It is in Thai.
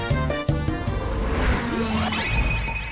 นั่งงานหนูกันแหละ